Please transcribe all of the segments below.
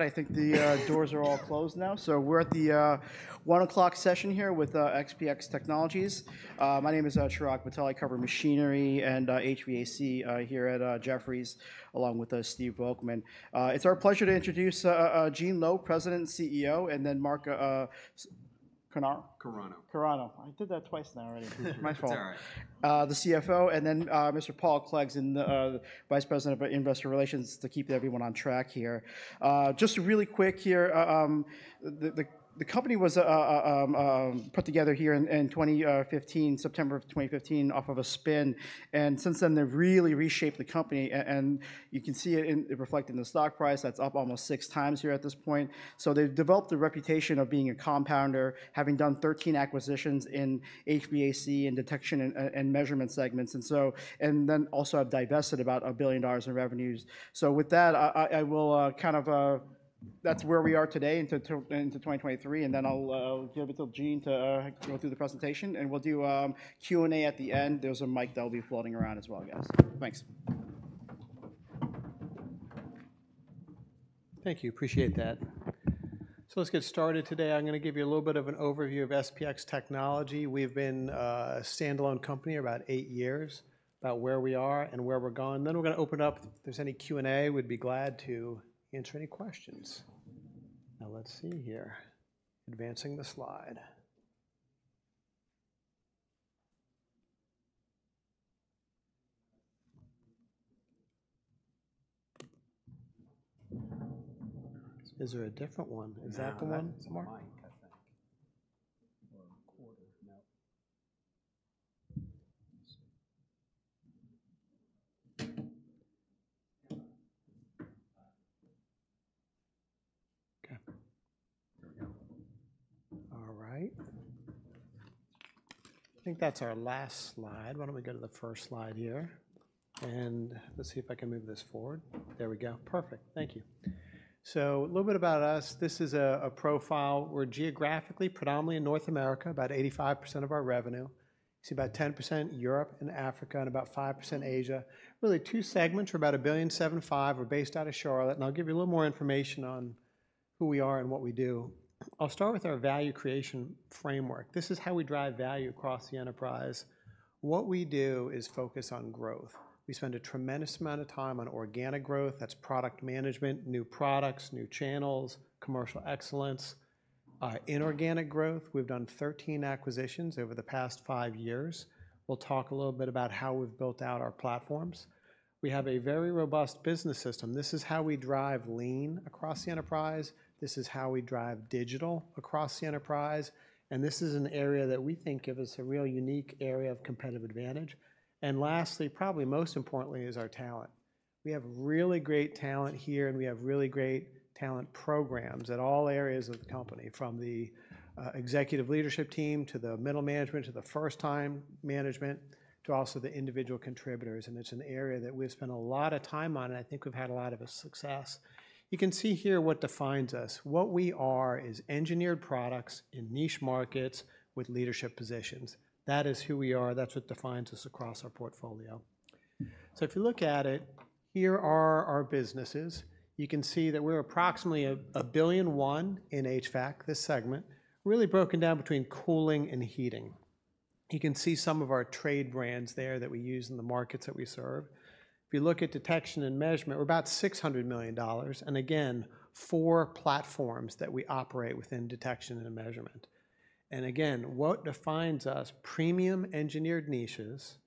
All right, I think the doors are all closed now. So we're at the one o'clock session here with SPX Technologies. My name is Chirag Patel. I cover machinery and HVAC here at Jefferies, along with Steve Volkmann. It's our pleasure to introduce Gene Lowe, President and CEO, and then Mark Carano? Carano. Carano. I did that twice now already. My fault. It's all right. The CFO, and then, Mr. Paul Clegg in the Vice President of Investor Relations to keep everyone on track here. Just really quick here, the company was put together here in 2015, September 2015, off of a spin, and since then, they've really reshaped the company. And you can see it reflected in the stock price. That's up almost six times here at this point. So they've developed a reputation of being a compounder, having done 13 acquisitions in HVAC and detection and measurement segments, and so. And then also have divested about $1 billion in revenues. So with that, I will kind of — that's where we are today into 2023, and then I'll give it to Gene to go through the presentation, and we'll do Q&A at the end. There's a mic that'll be floating around as well, guys. Thanks. Thank you. Appreciate that. So let's get started today. I'm gonna give you a little bit of an overview of SPX Technologies. We've been a standalone company about eight years, about where we are and where we're going. Then we're gonna open up. If there's any Q&A, we'd be glad to answer any questions. Now, let's see here. Advancing the slide. Is there a different one? Is that the one, Mark? No, that's the mic, I think, or recorder. No. Okay. Here we go. All right. I think that's our last slide. Why don't we go to the first slide here, and let's see if I can move this forward. There we go. Perfect. Thank you. So a little bit about us. This is a profile. We're geographically predominantly in North America, about 85% of our revenue. See about 10% Europe and Africa, and about 5% Asia. Really two segments. We're about $1.75 billion. We're based out of Charlotte, and I'll give you a little more information on who we are and what we do. I'll start with our value creation framework. This is how we drive value across the enterprise. What we do is focus on growth. We spend a tremendous amount of time on organic growth. That's product management, new products, new channels, commercial excellence. Inorganic growth, we've done 13 acquisitions over the past five years. We'll talk a little bit about how we've built out our platforms. We have a very robust business system. This is how we drive lean across the enterprise, this is how we drive digital across the enterprise, and this is an area that we think gives us a real unique area of competitive advantage. And lastly, probably most importantly, is our talent. We have really great talent here, and we have really great talent programs at all areas of the company, from the executive leadership team, to the middle management, to the first-time management, to also the individual contributors, and it's an area that we've spent a lot of time on, and I think we've had a lot of success. You can see here what defines us. What we are is engineered products in niche markets with leadership positions. That is who we are. That's what defines us across our portfolio. So if you look at it, here are our businesses. You can see that we're approximately $1.1 billion in HVAC, this segment, really broken down between cooling and heating. You can see some of our trade brands there that we use in the markets that we serve. If you look at detection and measurement, we're about $600 million, and again, 4 platforms that we operate within detection and measurement. And again, what defines us: premium engineered niches,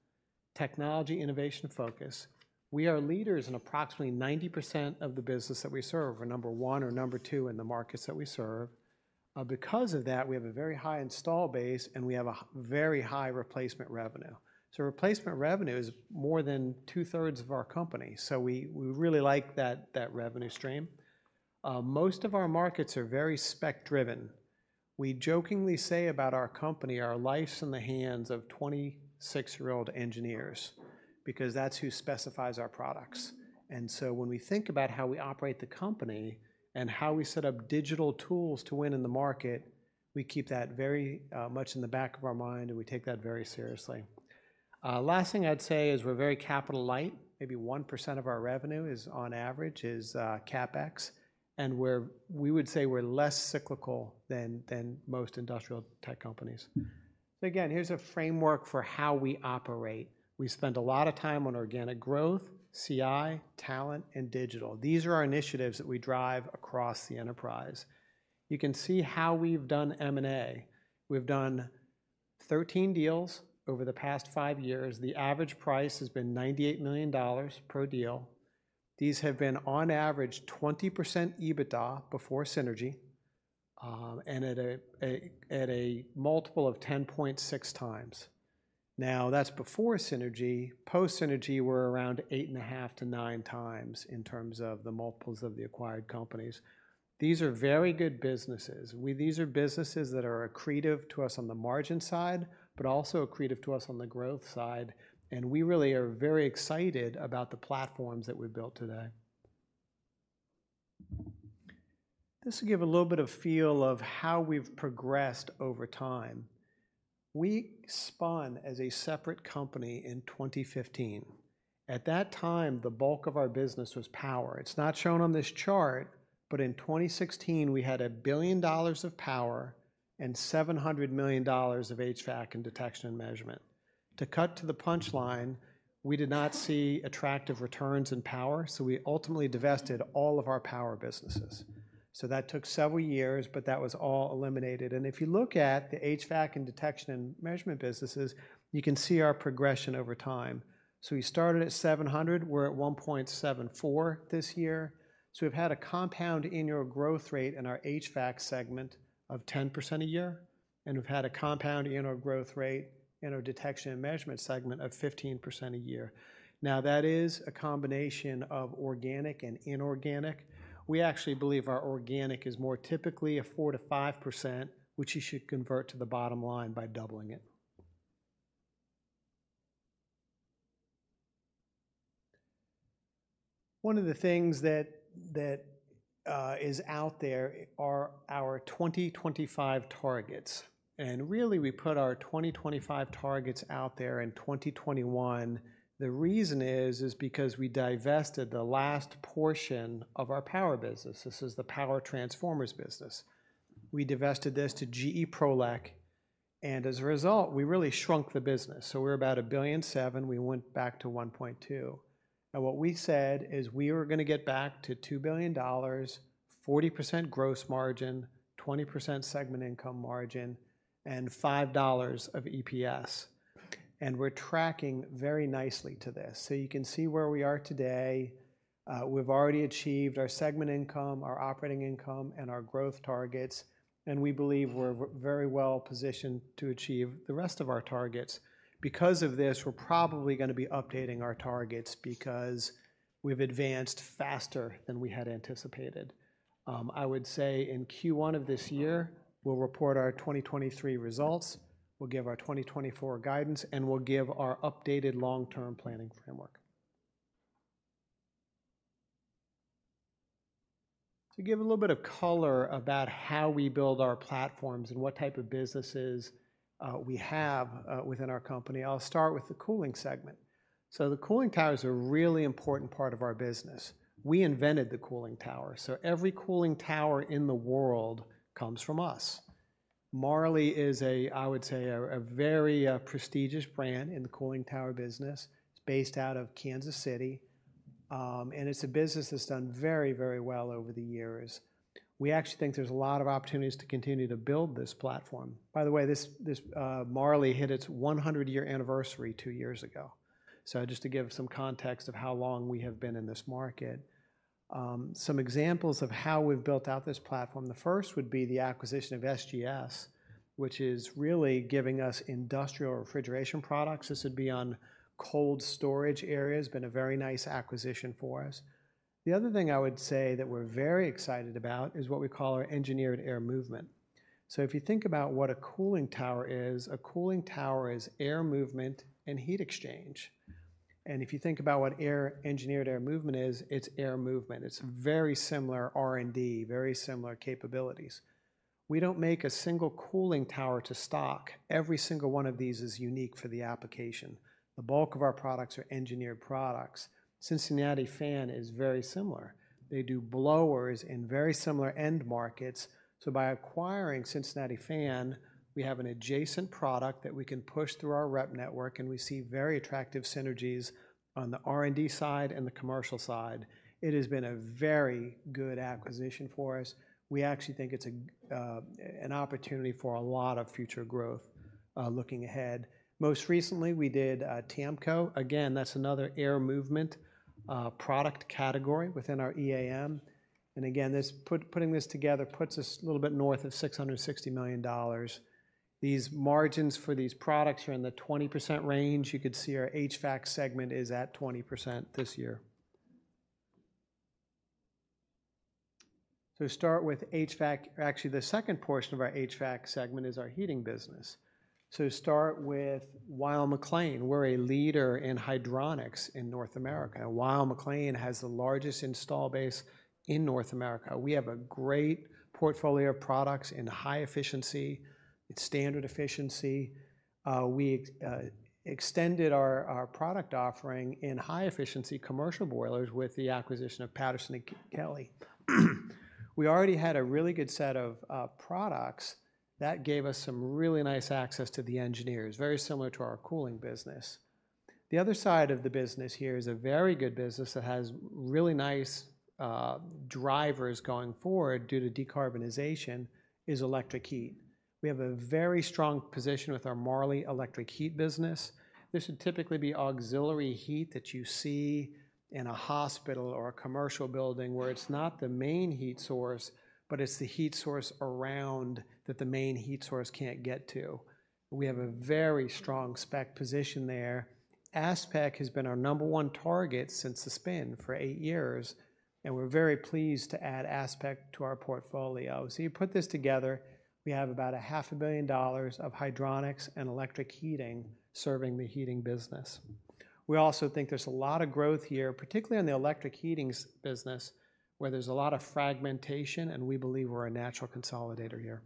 technology innovation focus. We are leaders in approximately 90% of the business that we serve. We're number one or number two in the markets that we serve. Because of that, we have a very high install base, and we have a very high replacement revenue. So replacement revenue is more than two-thirds of our company, so we really like that revenue stream. Most of our markets are very spec-driven. We jokingly say about our company, our life's in the hands of 26-year-old engineers, because that's who specifies our products. And so when we think about how we operate the company and how we set up digital tools to win in the market, we keep that very much in the back of our mind, and we take that very seriously. Last thing I'd say is we're very capital light. Maybe 1% of our revenue is, on average, CapEx, and we would say we're less cyclical than most industrial tech companies. So again, here's a framework for how we operate. We spend a lot of time on organic growth, CI, talent, and digital. These are our initiatives that we drive across the enterprise. You can see how we've done M&A. We've done 13 deals over the past five years. The average price has been $98 million per deal. These have been, on average, 20% EBITDA before synergy, and at a multiple of 10.6x. Now, that's before synergy. Post synergy, we're around 8.5–9x in terms of the multiples of the acquired companies. These are very good businesses. These are businesses that are accretive to us on the margin side, but also accretive to us on the growth side, and we really are very excited about the platforms that we've built today. This will give a little bit of feel of how we've progressed over time. We spun as a separate company in 2015. At that time, the bulk of our business was power. It's not shown on this chart, but in 2016, we had $1 billion of power and $700 million of HVAC and detection and measurement. To cut to the punchline, we did not see attractive returns in power, so we ultimately divested all of our power businesses. So that took several years, but that was all eliminated. If you look at the HVAC and detection and measurement businesses, you can see our progression over time. So we started at $700 million, we're at $1.74 billion this year. So we've had a compound annual growth rate in our HVAC segment of 10% a year, and we've had a compound annual growth rate in our detection and measurement segment of 15% a year. Now, that is a combination of organic and inorganic. We actually believe our organic is more typically a 4%–5%, which you should convert to the bottom line by doubling it. One of the things that is out there are our 2025 targets, and really, we put our 2025 targets out there in 2021. The reason is because we divested the last portion of our power business. This is the power transformers business. We divested this to Prolec GE, and as a result, we really shrunk the business. So we were about $1.007 billion, we went back to $1.2 billion. What we said is we were gonna get back to $2 billion, 40% gross margin, 20% segment income margin, and $5 of EPS, and we're tracking very nicely to this. So you can see where we are today. We've already achieved our segment income, our operating income, and our growth targets, and we believe we're very well positioned to achieve the rest of our targets. Because of this, we're probably gonna be updating our targets because we've advanced faster than we had anticipated. I would say in Q1 of this year, we'll report our 2023 results, we'll give our 2024 guidance, and we'll give our updated long-term planning framework. To give a little bit of color about how we build our platforms and what type of businesses we have within our company, I'll start with the cooling segment. So the cooling tower is a really important part of our business. We invented the cooling tower, so every cooling tower in the world comes from us. Marley is a, I would say, a very prestigious brand in the cooling tower business. It's based out of Kansas City, and it's a business that's done very, very well over the years. We actually think there's a lot of opportunities to continue to build this platform. By the way, this Marley hit its 100-year anniversary 2 years ago. So just to give some context of how long we have been in this market. Some examples of how we've built out this platform, the first would be the acquisition of SGS, which is really giving us industrial refrigeration products. This would be on cold storage areas, been a very nice acquisition for us. The other thing I would say that we're very excited about is what we call our Engineered Air Movement. So if you think about what a cooling tower is, a cooling tower is air movement and heat exchange. And if you think about what engineered air movement is, it's air movement. It's very similar R&D, very similar capabilities. We don't make a single cooling tower to stock. Every single one of these is unique for the application. The bulk of our products are engineered products. Cincinnati Fan is very similar. They do blowers in very similar end markets. So by acquiring Cincinnati Fan, we have an adjacent product that we can push through our rep network, and we see very attractive synergies on the R&D side and the commercial side. It has been a very good acquisition for us. We actually think it's a great opportunity for a lot of future growth, looking ahead. Most recently, we did TAMCO. Again, that's another air movement product category within our EAM. And again, this putting this together puts us a little bit north of $660 million. These margins for these products are in the 20% range. You could see our HVAC segment is at 20% this year. To start with HVAC, actually, the second portion of our HVAC segment is our heating business. So to start with Weil-McLain, we're a leader in hydronics in North America. Weil-McLain has the largest install base in North America. We have a great portfolio of products in high efficiency and standard efficiency. We extended our product offering in high-efficiency commercial boilers with the acquisition of Patterson-Kelley. We already had a really good set of products that gave us some really nice access to the engineers, very similar to our cooling business. The other side of the business here is a very good business that has really nice drivers going forward due to decarbonization, is electric heat. We have a very strong position with our Marley electric heat business. This would typically be auxiliary heat that you see in a hospital or a commercial building, where it's not the main heat source, but it's the heat source around that the main heat source can't get to. We have a very strong spec position there. Aspeq has been our number one target since the spin for eight years, and we're very pleased to add Aspeq to our portfolio. So you put this together, we have about $500 million of hydronics and electric heating serving the heating business. We also think there's a lot of growth here, particularly in the electric heatings business, where there's a lot of fragmentation, and we believe we're a natural consolidator here.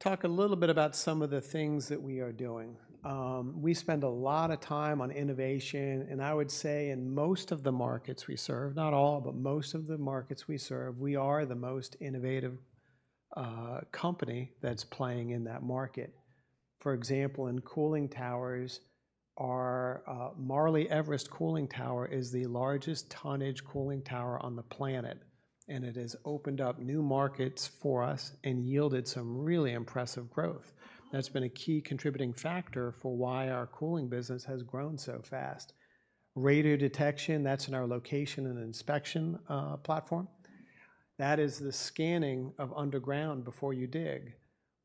Talk a little bit about some of the things that we are doing. We spend a lot of time on innovation, and I would say in most of the markets we serve, not all, but most of the markets we serve, we are the most innovative company that's playing in that market. For example, in cooling towers, our Marley Everest cooling tower is the largest tonnage cooling tower on the planet, and it has opened up new markets for us and yielded some really impressive growth. That's been a key contributing factor for why our cooling business has grown so fast. Radiodetection, that's in our location and inspection platform. That is the scanning of underground before you dig.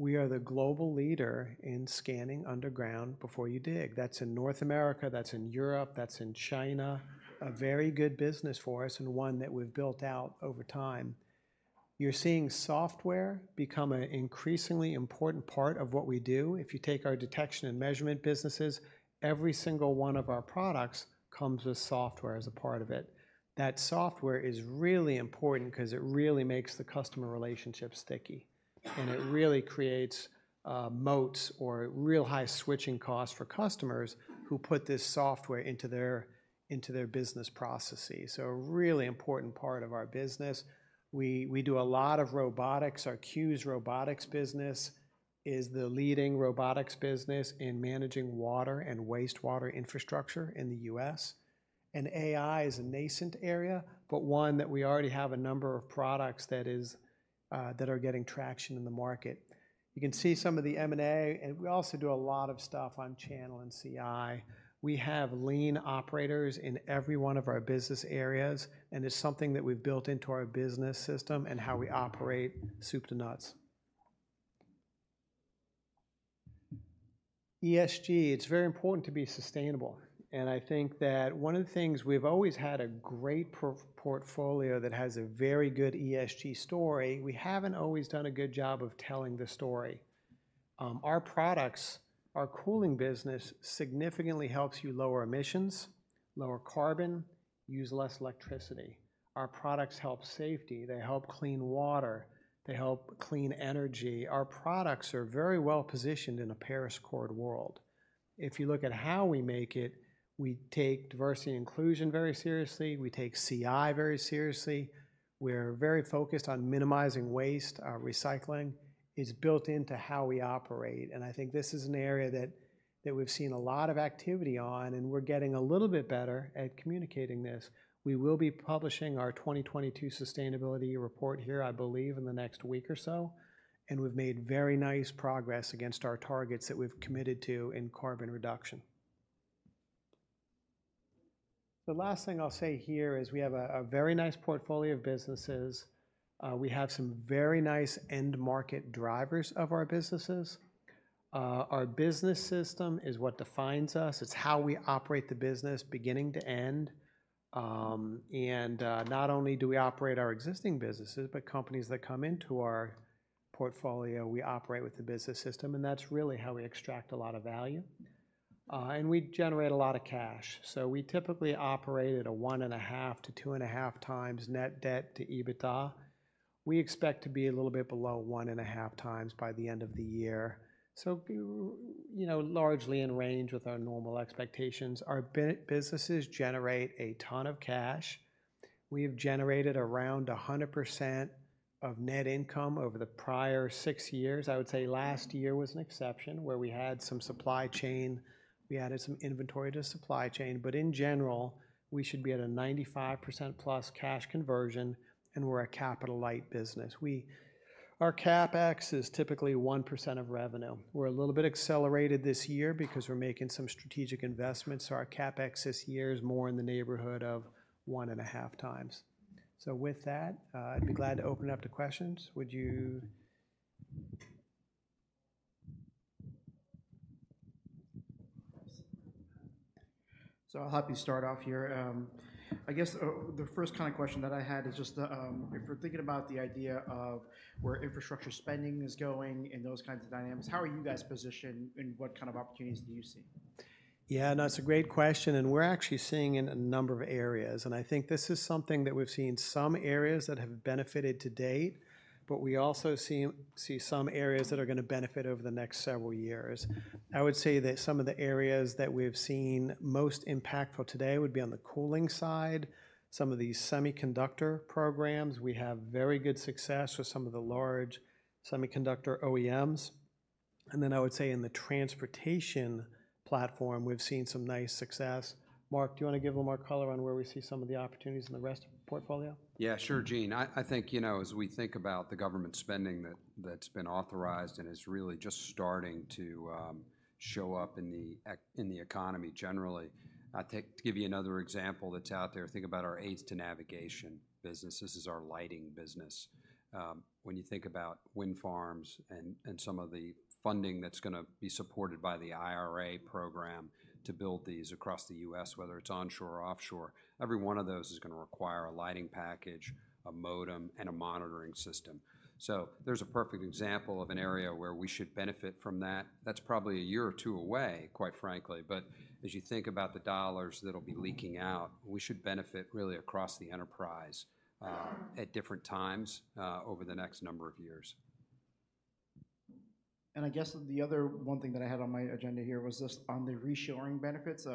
We are the global leader in scanning underground before you dig. That's in North America, that's in Europe, that's in China. A very good business for us and one that we've built out over time. You're seeing software become an increasingly important part of what we do. If you take our detection and measurement businesses, every single one of our products comes with software as a part of it. That software is really important 'cause it really makes the customer relationship sticky, and it really creates, moats or real high switching costs for customers who put this software into their, into their business processes. So a really important part of our business. We, we do a lot of robotics. Our CUES robotics business is the leading robotics business in managing water and wastewater infrastructure in the U.S. And AI is a nascent area, but one that we already have a number of products that is, that are getting traction in the market. You can see some of the M&A, and we also do a lot of stuff on channel and CI. We have lean operators in every one of our business areas, and it's something that we've built into our business system and how we operate, soup to nuts. ESG, it's very important to be sustainable, and I think that one of the things, we've always had a great portfolio that has a very good ESG story. We haven't always done a good job of telling the story. Our products, our cooling business significantly helps you lower emissions, lower carbon, use less electricity. Our products help safety, they help clean water, they help clean energy. Our products are very well positioned in a Paris Accord world. If you look at how we make it, we take diversity and inclusion very seriously. We take CI very seriously. We're very focused on minimizing waste. Our recycling is built into how we operate, and I think this is an area that we've seen a lot of activity on, and we're getting a little bit better at communicating this. We will be publishing our 2022 sustainability report here, I believe, in the next week or so, and we've made very nice progress against our targets that we've committed to in carbon reduction. The last thing I'll say here is we have a very nice portfolio of businesses. We have some very nice end market drivers of our businesses. Our business system is what defines us. It's how we operate the business, beginning to end. And not only do we operate our existing businesses, but companies that come into our portfolio, we operate with the business system, and that's really how we extract a lot of value. And we generate a lot of cash. So we typically operate at a 1.5x-2.5x times net debt to EBITDA. We expect to be a little bit below 1.5 times by the end of the year, so, you know, largely in range with our normal expectations. Our businesses generate a ton of cash. We've generated around 100% of net income over the prior 6 years. I would say last year was an exception, where we had some supply chain. We added some inventory to supply chain, but in general, we should be at a 95% plus cash conversion, and we're a capital light business. Our CapEx is typically 1% of revenue. We're a little bit accelerated this year because we're making some strategic investments, so our CapEx this year is more in the neighborhood of 1.5 times. So with that, I'd be glad to open it up to questions. Would you? So I'll help you start off here. I guess, the first kind of question that I had is just, if we're thinking about the idea of where infrastructure spending is going and those kinds of dynamics, how are you guys positioned, and what kind of opportunities do you see? Yeah, no, it's a great question, and we're actually seeing in a number of areas. I think this is something that we've seen some areas that have benefited to date, but we also see some areas that are gonna benefit over the next several years. I would say that some of the areas that we've seen most impactful today would be on the cooling side, some of the semiconductor programs. We have very good success with some of the large semiconductor OEMs. And then I would say in the transportation platform, we've seen some nice success. Mark, do you wanna give a little more color on where we see some of the opportunities in the rest of the portfolio? Yeah, sure, Gene. I think, you know, as we think about the government spending that's been authorized and is really just starting to show up in the economy generally. To give you another example that's out there, think about our Aids to Navigation business. This is our lighting business. When you think about wind farms and some of the funding that's gonna be supported by the IRA program to build these across the U.S., whether it's onshore or offshore, every one of those is gonna require a lighting package, a modem, and a monitoring system. So there's a perfect example of an area where we should benefit from that. That's probably a year or two away, quite frankly. But as you think about the dollars that'll be leaking out, we should benefit really across the enterprise, at different times, over the next number of years. I guess the other one thing that I had on my agenda here was just on the reshoring benefits.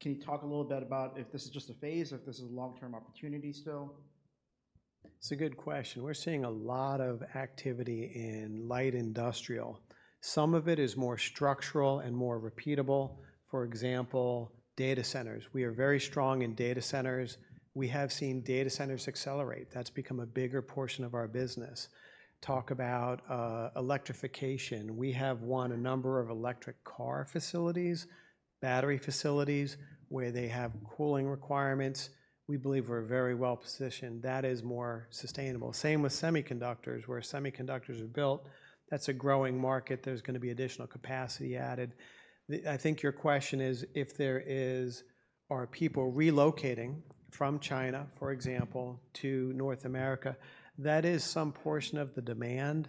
Can you talk a little bit about if this is just a phase or if this is a long-term opportunity still? It's a good question. We're seeing a lot of activity in light industrial. Some of it is more structural and more repeatable. For example, data centers. We are very strong in data centers. We have seen data centers accelerate. That's become a bigger portion of our business. Talk about electrification. We have won a number of electric car facilities, battery facilities, where they have cooling requirements. We believe we're very well positioned. That is more sustainable. Same with semiconductors, where semiconductors are built. That's a growing market. There's gonna be additional capacity added. I think your question is, if there is... Are people relocating from China, for example, to North America? That is some portion of the demand.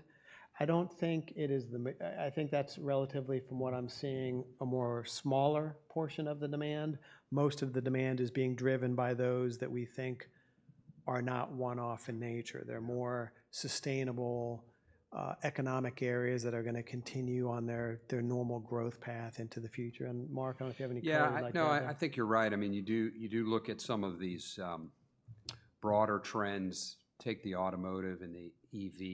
I don't think it is the I think that's relatively, from what I'm seeing, a more smaller portion of the demand. Most of the demand is being driven by those that we think are not one-off in nature. They're more sustainable, economic areas that are gonna continue on their normal growth path into the future. And Mark, I don't know if you have any comments like that? Yeah. No, I think you're right. I mean, you do, you do look at some of these broader trends. Take the automotive and the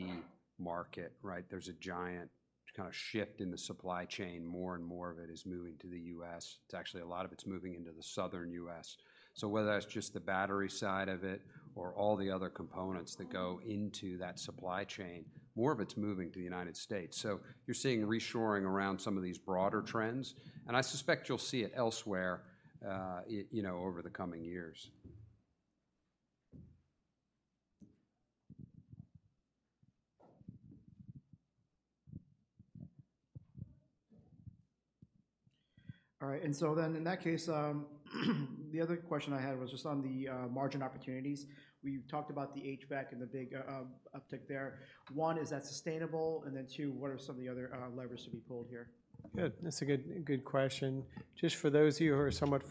EV market, right? There's a giant kind of shift in the supply chain. More and more of it is moving to the U.S. It's actually a lot of it's moving into the Southern U.S. So whether that's just the battery side of it or all the other components that go into that supply chain, more of it's moving to the United States. So you're seeing reshoring around some of these broader trends, and I suspect you'll see it elsewhere, you know, over the coming years. All right. And so then in that case, the other question I had was just on the margin opportunities. We've talked about the HVAC and the big uptick there. One, is that sustainable? And then two, what are some of the other levers to be pulled here? Yeah, that's a good, good question. Just for those of you who are somewhat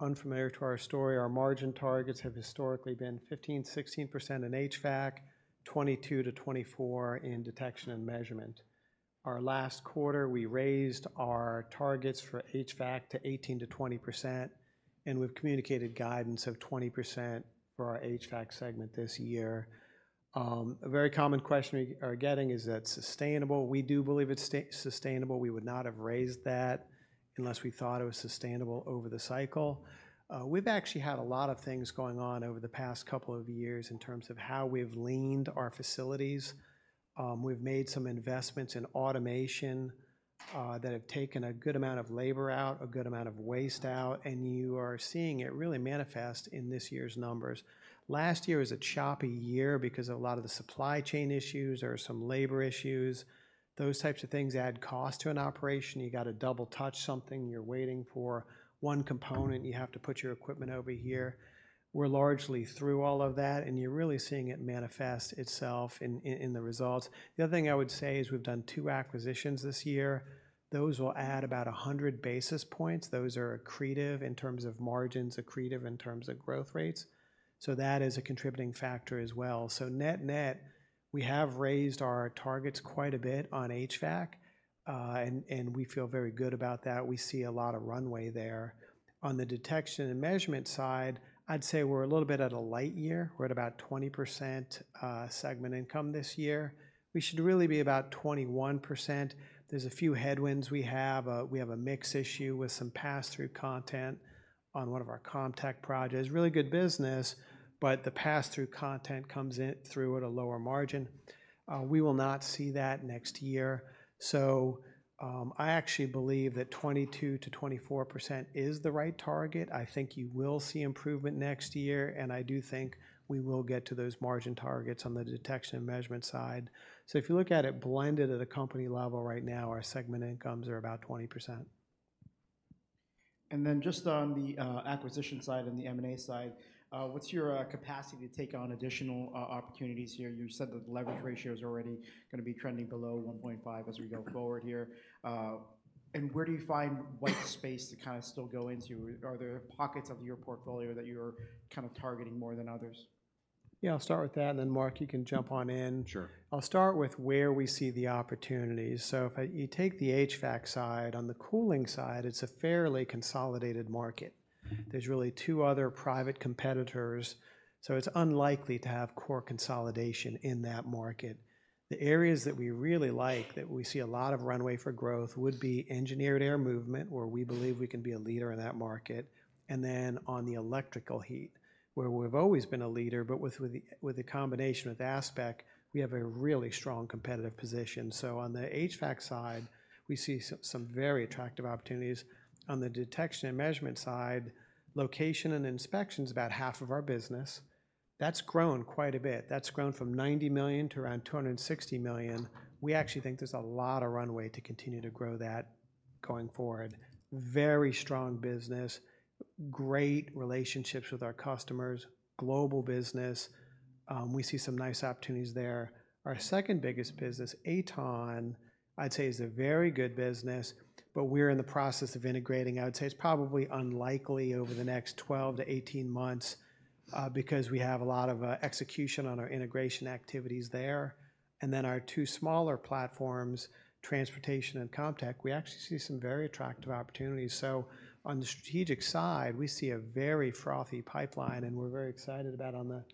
unfamiliar to our story, our margin targets have historically been 15%–16% in HVAC, 22-24 in detection and measurement. Our last quarter, we raised our targets for HVAC to 18%–20%, and we've communicated guidance of 20% for our HVAC segment this year. A very common question we are getting: Is that sustainable? We do believe it's sustainable. We would not have raised that unless we thought it was sustainable over the cycle. We've actually had a lot of things going on over the past couple of years in terms of how we've leaned our facilities. We've made some investments in automation, that have taken a good amount of labor out, a good amount of waste out, and you are seeing it really manifest in this year's numbers. Last year was a choppy year because a lot of the supply chain issues or some labor issues, those types of things add cost to an operation. You've got to double-touch something. You're waiting for one component. You have to put your equipment over here. We're largely through all of that, and you're really seeing it manifest itself in the results. The other thing I would say is we've done 2 acquisitions this year. Those will add about 100 basis points. Those are accretive in terms of margins, accretive in terms of growth rates, so that is a contributing factor as well. So net-net, we have raised our targets quite a bit on HVAC, and we feel very good about that. We see a lot of runway there. On the detection and measurement side, I'd say we're a little bit at a light year. We're at about 20% segment income this year. We should really be about 21%. There's a few headwinds we have. We have a mix issue with some pass-through content on one of our CommTech projects. Really good business, but the pass-through content comes in through at a lower margin. We will not see that next year. So, I actually believe that 22%–24% is the right target. I think you will see improvement next year, and I do think we will get to those margin targets on the detection and measurement side. If you look at it blended at a company level right now, our segment incomes are about 20%. Then just on the acquisition side and the M&A side, what's your capacity to take on additional opportunities here? You said that the leverage ratio is already gonna be trending below 1.5 as we go forward here. And where do you find white space to kind of still go into? Are there pockets of your portfolio that you're kind of targeting more than others? Yeah, I'll start with that, and then, Mark, you can jump on in. Sure. I'll start with where we see the opportunities. So if you take the HVAC side, on the cooling side, it's a fairly consolidated market. Mm-hmm. There's really two other private competitors, so it's unlikely to have core consolidation in that market. The areas that we really like, that we see a lot of runway for growth, would be Engineered Air Movement, where we believe we can be a leader in that market, and then on the electrical heat, where we've always been a leader, but with the combination with Aspeq, we have a really strong competitive position. So on the HVAC side, we see some very attractive opportunities. On the detection and measurement side, location and inspection's about half of our business. That's grown quite a bit. That's grown from $90 million to around $260 million. We actually think there's a lot of runway to continue to grow that going forward. Very strong business, great relationships with our customers, global business. We see some nice opportunities there. Our second biggest business, AtoN, I'd say is a very good business, but we're in the process of integrating. I would say it's probably unlikely over the next 12-18 months, because we have a lot of execution on our integration activities there. And then our two smaller platforms, transportation and CommTech, we actually see some very attractive opportunities. So on the strategic side, we see a very frothy pipeline, and we're very excited about on the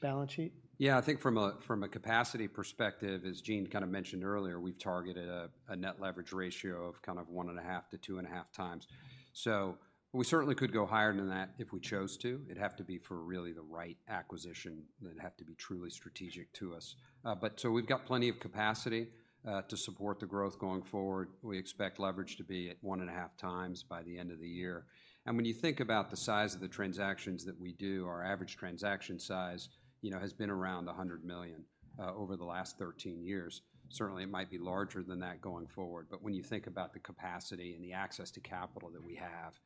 balance sheet. Yeah, I think from a capacity perspective, as Gene kind of mentioned earlier, we've targeted a net leverage ratio of kind of 1.5x-2.5 times. So we certainly could go higher than that if we chose to. It'd have to be for really the right acquisition, and it'd have to be truly strategic to us. But so we've got plenty of capacity to support the growth going forward. We expect leverage to be at 1.5 times by the end of the year. And when you think about the size of the transactions that we do, our average transaction size, you know, has been around $100 million over the last 13 years. Certainly, it might be larger than that going forward. But when you think about the capacity and the access to capital that we have,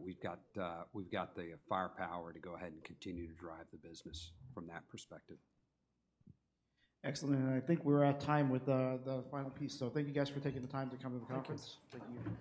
we've got, we've got the firepower to go ahead and continue to drive the business from that perspective. Excellent, and I think we're out of time with the final piece. So thank you guys for taking the time to come to the conference. Thank you. Thank you.